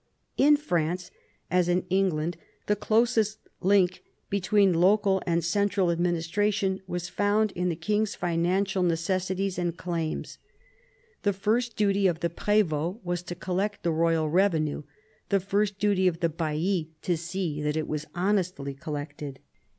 In France, as in England, the closest link between local and central administration was found in the king's financial necessities and claims. The first duty 124 PHILIP AUGUSTUS chap. of the pr4vdts was to collect the royal revenue, the first duty of the baillis to see that it wa,s honestly collected.